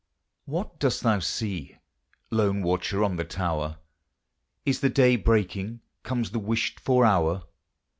What dost thou see, lone watcher on the tower. Is the day breaking? Comes the wished for hour?